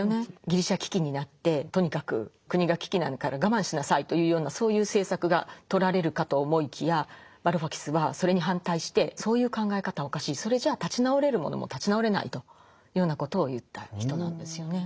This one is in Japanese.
ギリシャ危機になってとにかく国が危機なんだから我慢しなさいというようなそういう政策がとられるかと思いきやバルファキスはそれに反対してそういう考え方はおかしいそれじゃ立ち直れるものも立ち直れないというようなことを言った人なんですよね。